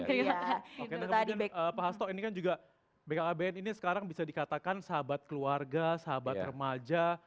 oke dan kemudian pak hasto ini kan juga bkkbn ini sekarang bisa dikatakan sahabat keluarga sahabat remaja